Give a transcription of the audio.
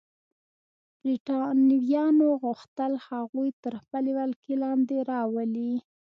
برېټانویانو غوښتل هغوی تر خپلې ولکې لاندې راولي.